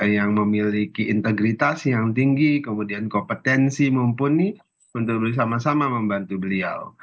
yang memiliki integritas yang tinggi kemudian kompetensi mumpuni untuk bersama sama membantu beliau